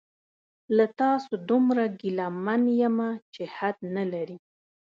له تاسو دومره ګیله من یمه چې حد نلري